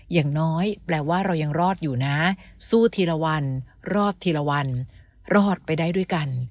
อย่างน้อยแปลว่าเรายังรอดอยู่นะสู้ทีละวันรอดทีละวันรอดไปได้ด้วยกัน